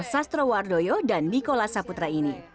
sastro wardoyo dan nikola saputra ini